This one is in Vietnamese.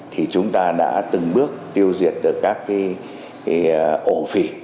thì chúng ta đã từng bước tiêu diệt được các cái ổ phỉ